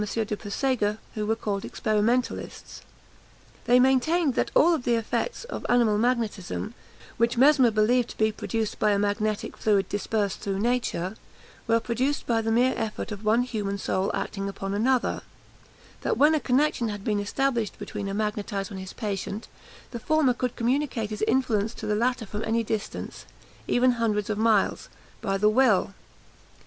de Puysegur, who were called experimentalists. They maintained that all the effects of animal magnetism, which Mesmer believed to be producible by a magnetic fluid dispersed through nature, were produced by the mere effort of one human soul acting upon another; that when a connexion had once been established between a magnetiser and his patient, the former could communicate his influence to the latter from any distance, even hundreds of miles, by the will.